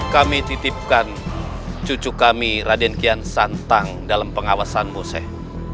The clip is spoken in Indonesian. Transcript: kami titipkan cucu kami raden kian santang dalam pengawasan museh